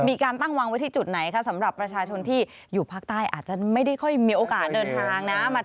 มีการตั้งวางไว้ที่จุดไหนคะสำหรับประชาชนที่อยู่ภาคใต้อาจจะไม่ได้ค่อยมีโอกาสเดินทางนะ